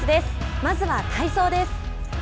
まずは体操です。